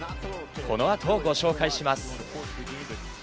この後ご紹介します。